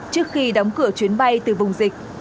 trước khi đóng cửa chuyến bay từ vùng dịch